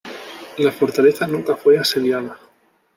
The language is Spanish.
La fortaleza nunca fue asediada.